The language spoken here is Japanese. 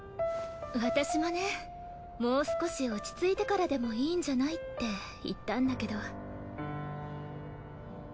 私もねもう少し落ち着いてからでもいいんじゃない？って言ったんだけど。